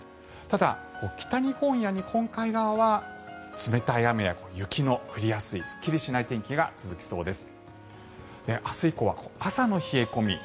ただ、北日本や日本海側は冷たい雨や雪の降りやすいすっきりしない天気が続きそうです。